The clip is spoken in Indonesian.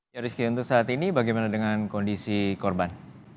jadi sekian untuk saat ini bagaimana dengan kondisi korban